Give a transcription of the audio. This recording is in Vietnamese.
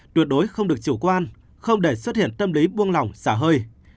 tuyệt đối không được chủ quan không để xuất hiện tâm lý buông lỏng xả hơi